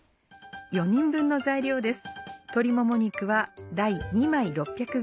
４人分の材料です。